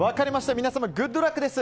皆様、グッドラックです。